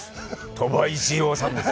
鳥羽一郎さんです！